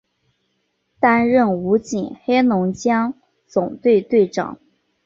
担任武警黑龙江总队队长。